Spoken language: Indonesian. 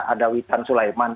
ada witan sulaiman